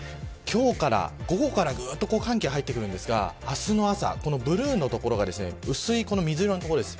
今日から、午後からぐっと寒気が入ってきますが明日の朝、ブルーの所が薄い水色の所です。